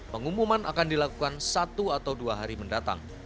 pengumuman akan dilakukan satu atau dua hari mendatang